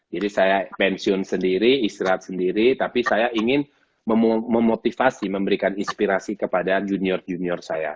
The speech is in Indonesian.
jadi saya pensiun sendiri istirahat sendiri tapi saya ingin memotivasi memberikan inspirasi kepada junior junior saya